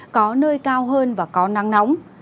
có nơi cao hơn và có nắng nóng